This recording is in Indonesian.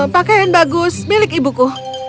pakaian bagus milik ibuku